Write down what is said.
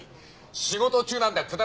仕事中なんだ